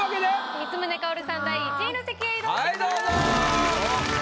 光宗薫さん第１位の席へ移動してください。